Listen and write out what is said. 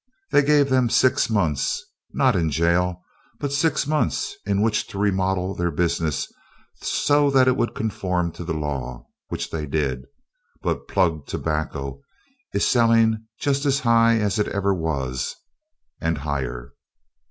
They gave them six months not in jail, but six months in which to remodel their business so it would conform to the law, which they did. (Applause and laughter). But plug tobacco is selling just as high as it ever was, and higher.